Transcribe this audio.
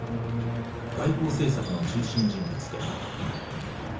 外交政策の中心人物である。